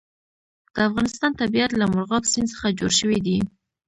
د افغانستان طبیعت له مورغاب سیند څخه جوړ شوی دی.